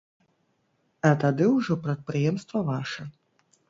А тады ўжо прадпрыемства ваша.